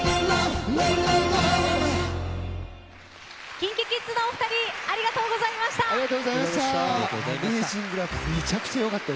ＫｉｎＫｉＫｉｄｓのお二人ありがとうございました。